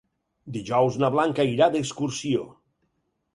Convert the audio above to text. Dijous na Blanca irà d'excursió.